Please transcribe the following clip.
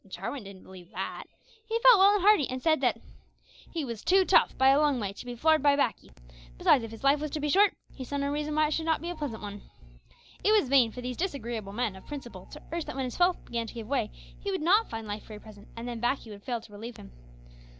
Jarwin didn't believe that. He felt well and hearty, and said that he "was too tough, by a long way, to be floored by baccy; besides, if his life was to be short, he saw no reason why it should not be a pleasant one." It was vain for these disagreeable men of principle to urge that when his health began to give way he would not find life very pleasant, and then "baccy" would fail to relieve him.